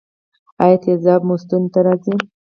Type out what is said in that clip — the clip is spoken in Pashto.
ایا تیزاب مو ستوني ته راځي؟